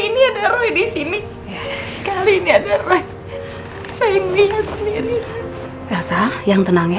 nanti kalau roy masuk ke kamar saya gimana